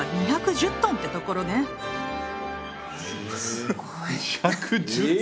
すごい。